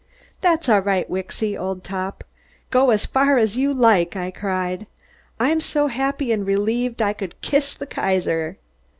"That's all right, Wicksy, old top. Go as far as you like," I cried. "I'm so happy and relieved I could kiss the Kaiser."